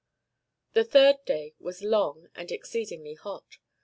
The third day was long and exceedingly hot.